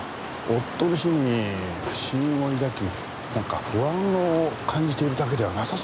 夫の死に不審を抱きなんか不安を感じているだけではなさそうに思うんですが。